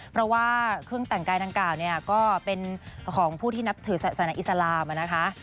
เพราะว่าเครื่องแต่งกายนางกล่าวก็เป็นผู้ที่นับถือแศกสนัยอิสราคม